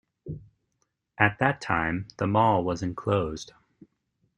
At that time, the mall was enclosed.